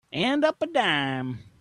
And up a dime.